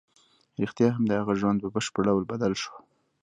رښتیا هم د هغه ژوند په بشپړ ډول بدل شو